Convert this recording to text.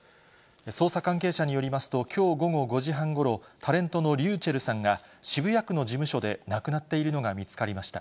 捜査関係者によりますと、きょう午後５時半ごろ、タレントのｒｙｕｃｈｅｌｌさんが、渋谷区の事務所で亡くなっているのが見つかりました。